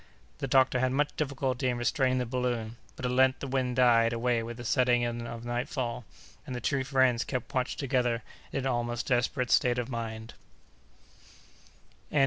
The doctor had much difficulty in restraining the balloon; but at length the wind died away with the setting in of nightfall; and the two friends kept watch together in an almost desperate state of mind.